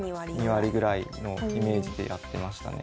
２割ぐらいのイメージでやってましたね。